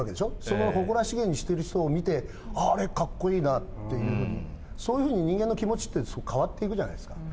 その誇らしげにしてる人を見て「あれかっこいいな」っていうふうにそういうふうに人間の気持ちって変わっていくじゃないですか。